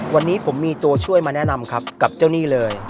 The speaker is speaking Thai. วันนี้ผมมีตัวช่วยมาแนะนำครับกับเจ้าหนี้เลย